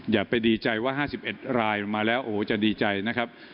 อย่าไปดีใจว่า๕๑รายมาแล้วโอ้โหจะดีใจนะครับ